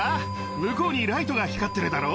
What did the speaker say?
向こうにライトが光ってるだろ。